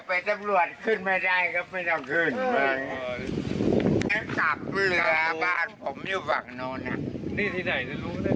อ้าวบ้าจัดอยู่ตรงไหนบ้าง